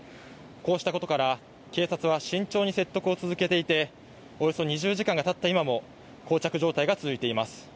こうしたことから警察は慎重に説得を続けていておよそ２０時間がたった今もこう着状態が続いています。